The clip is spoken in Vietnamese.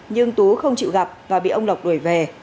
nhưng tú không chịu gặp và bị ông lộc đuổi về